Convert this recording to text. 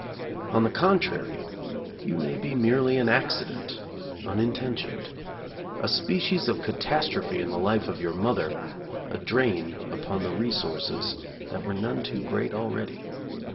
On the contrary, you may be merely an accident, unintentioned, a species of catastrophe in the life of your mother, a drain upon the resources that were none too great already.